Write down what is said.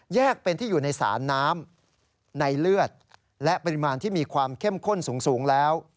เป็นที่อยู่ในสารน้ำในเลือดและปริมาณที่มีความเข้มข้นสูงแล้ว